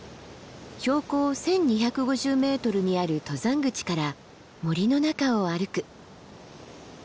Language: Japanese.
標高１，２５０ｍにある登山口から森の中を歩く。